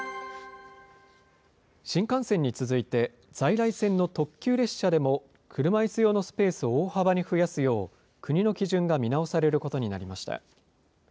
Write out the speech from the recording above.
新幹線に続いて、在来線の特急列車でも、車いす用のスペースを大幅に増やすよう、国の基準が見直されることになりました。